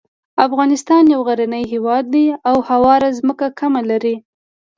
افغانستان یو غرنی هیواد دی او هواره ځمکه کمه لري.